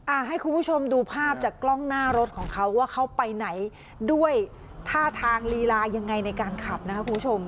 ให้คุณผู้ชมดูภาพจากกล้องหน้ารถของเขาว่าเขาไปไหนด้วยท่าทางลีลายังไงในการขับนะครับคุณผู้ชม